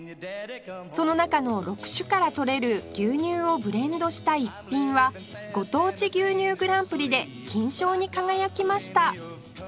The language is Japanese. その中の６種からとれる牛乳をブレンドした逸品は「ご当地牛乳グランプリ」で金賞に輝きました